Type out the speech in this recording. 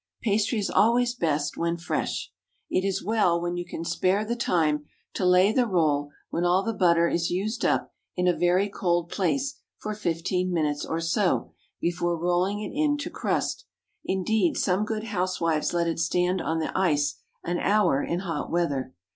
Pastry is always best when fresh. It is well, when you can spare the time, to lay the roll, when all the butter is used up, in a very cold place for fifteen minutes or so before rolling it into crust. Indeed, some good housewives let it stand on the ice an hour in hot weather.